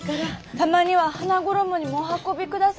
たまには花ごろもにもお運び下さいませ。